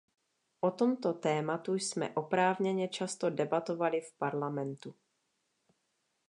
O tomto tématu jsme oprávněně často debatovali v Parlamentu.